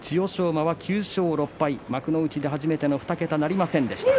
馬は９勝６敗幕内で初めての２桁はなりませんでした。